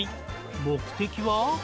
目的は？